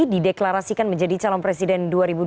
dideklarasikan menjadi calon presiden dua ribu dua puluh